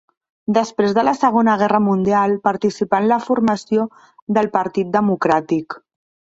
Després de la Segona Guerra Mundial participà en la formació del Partit Democràtic.